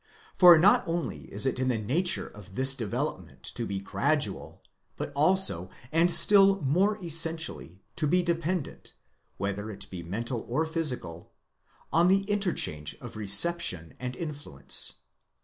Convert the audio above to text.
For not only is it in the nature of this development to . be gradual, but also, and still more essentially, to be dependent, whether it be mental or physical, on the interchange of reception and influence.